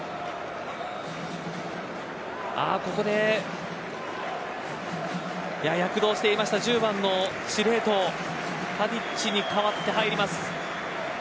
ここで躍動していました１０番の司令塔タディッチに代わって入ります。